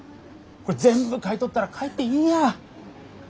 これ全部買い取ったら帰っていいや。